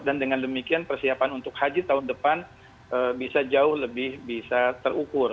dan dengan demikian persiapan untuk haji tahun depan bisa jauh lebih terukur